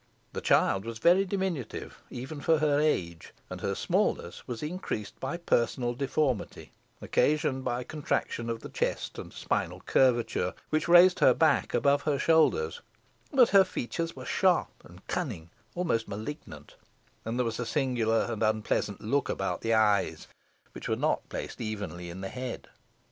The child was very diminutive, even for her age, and her smallness was increased by personal deformity, occasioned by contraction of the chest, and spinal curvature, which raised her back above her shoulders; but her features were sharp and cunning, indeed almost malignant, and there was a singular and unpleasant look about the eyes, which were not placed evenly in the head.